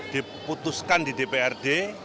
diputuskan di dprd